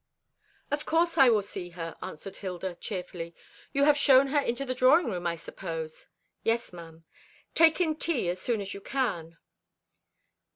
"Of course I will see her," answered Hilda cheerfully. "You have shown her into the drawing room, I suppose?" "Yes, ma'am." "Take in tea as soon as you can."